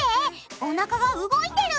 おなかが動いてる！